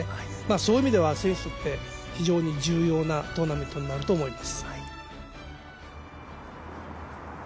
そういう意味では選手にとって非常に重要なトーナメントになると思います。